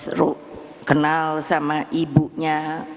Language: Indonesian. seru kenal sama ibunya